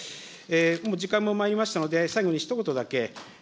もう時間もまいりましたので、最後にひと言だけ。